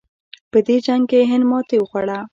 په دې جنګ کې هند ماتې وخوړه.